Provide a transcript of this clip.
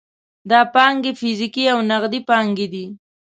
دا پانګې فزیکي او نغدي پانګې دي.